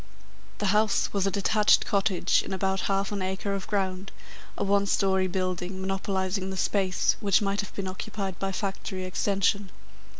The "house" was a detached cottage in about half an acre of ground, a one storey building, monopolising the space which might have been occupied by factory extension.